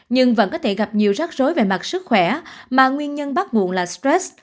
nhưng vẫn có thể gặp nhiều rắc rối về mặt sức khỏe mà nguyên nhân bắt nguồn là stress